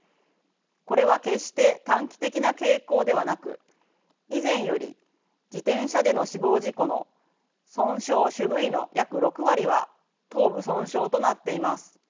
これは決して短期的な傾向ではなく以前より自転車での死亡事故の損傷主部位の約６割は頭部損傷となっています。